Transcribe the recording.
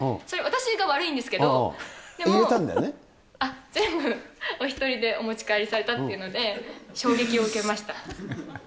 それ、私が悪いんですけど、でも、全部、お１人でお持ち帰りされたっていうので、衝撃を受けました。